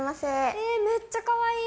えー、めっちゃかわいい。